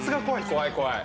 怖い怖い。